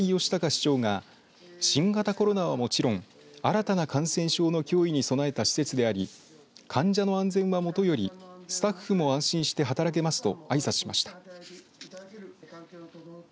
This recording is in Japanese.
市長が新型コロナはもちろん新たな感染症の脅威に備えた施設であり患者の安全はもとよりスタッフも安心して働けますとあいさつしました。